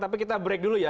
tapi kita break dulu ya